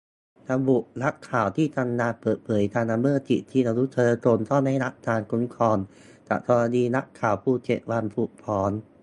ระบุ นักข่าวที่ทำงานเปิดเผยการละเมิดสิทธิมนุษยชนต้องได้รับการคุ้มครอง จากกรณีนักข่าวภูเก็ตวันถูกฟ้อง